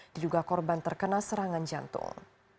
di juga korban terkena serangan jantung